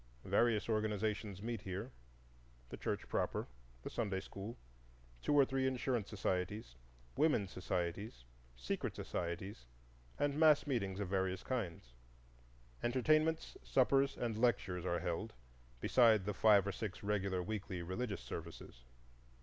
Various organizations meet here,—the church proper, the Sunday school, two or three insurance societies, women's societies, secret societies, and mass meetings of various kinds. Entertainments, suppers, and lectures are held beside the five or six regular weekly religious services.